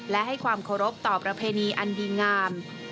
และให้ความเคารพต่อประเพณีอันดีงาม